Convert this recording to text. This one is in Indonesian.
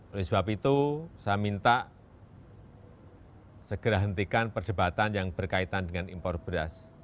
oleh sebab itu saya minta segera hentikan perdebatan yang berkaitan dengan impor beras